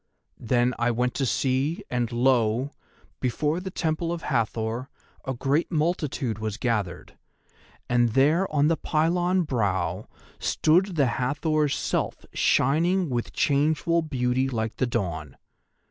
Then I went to see, and lo! before the Temple of Hathor a great multitude was gathered, and there on the pylon brow stood the Hathor's self shining with changeful beauty like the Dawn.